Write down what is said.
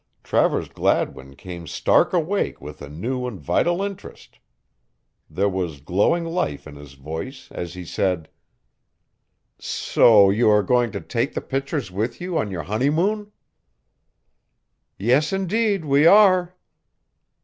Travers Gladwin came stark awake with a new and vital interest. There was glowing life in his voice as he said: "So you are going to take the pictures with you on your honeymoon?" "Yes, indeed, we are."